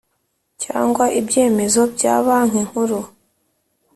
cyangwa ibyemezo bya Banki Nkuru